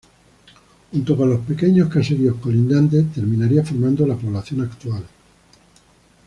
Junto con los pequeños caseríos colindantes, terminaría formando la población actual.